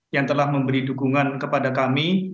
yang telah memberi dukungan kepada kami